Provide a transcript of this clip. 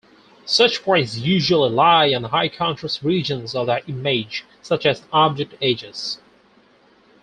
Such points usually lie on high-contrast regions of the image, such as object edges.